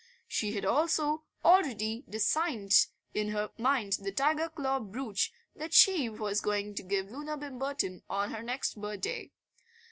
She had also already designed in her mind the tiger claw brooch that she was going to give Loona Bimberton on her next birthday.